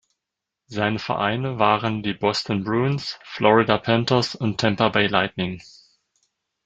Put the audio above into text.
Seine Vereine waren die Boston Bruins, Florida Panthers und Tampa Bay Lightning.